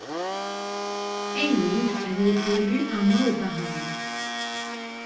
Aylwin avait été élu un mois auparavant.